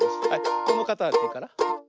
このかたちから。